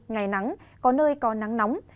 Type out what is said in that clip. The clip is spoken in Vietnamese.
ngày nắng có nơi có nắng nóng